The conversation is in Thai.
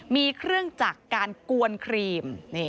มีเครื่องจักรการกวนครีม